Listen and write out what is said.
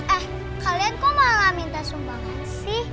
eh kalian kok malah minta sumbangan sih